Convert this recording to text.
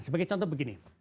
sebagai contoh begini